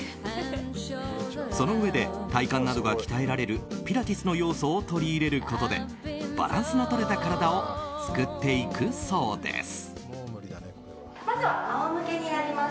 そのうえで体幹などが鍛えられるピラティスの要素を取り入れることでバランスの取れた体を作っていくそうです。